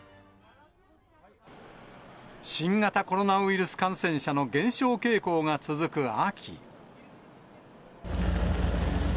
新型コロナウイルス感染者の減少傾向が続く秋。